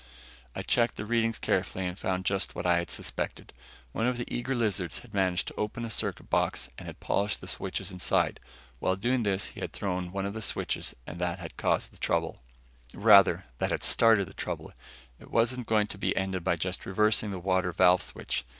I checked the readings carefully and found just what I had suspected. One of the eager lizards had managed to open a circuit box and had polished the switches inside. While doing this, he had thrown one of the switches and that had caused the trouble. Rather, that had started the trouble. It wasn't going to be ended by just reversing the water valve switch.